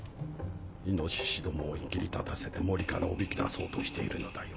猪どもをいきり立たせて森からおびき出そうとしているのだよ。